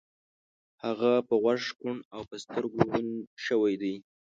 هغه په غوږو کوڼ او په سترګو ړوند شوی دی